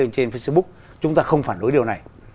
trên facebook chúng ta không phản đối điều này